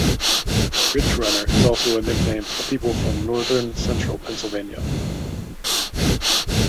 "Ridgerunner" is also a nickname for the people from northern central Pennsylvania.